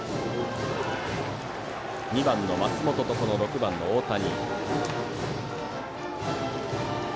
２番の松本と６番のこの大谷。